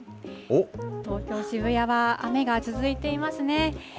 東京・渋谷は雨が続いていますね。